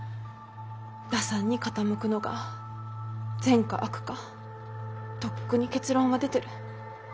打算に傾くのが善か悪かとっくに結論は出てる。